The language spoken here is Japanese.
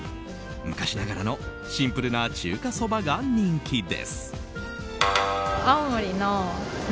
昔ながらのシンプルな中華そばが人気です。